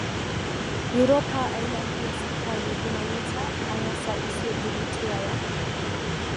Uropa Aina hii ya serikali inaleta anasa isiyodhibitiwa ya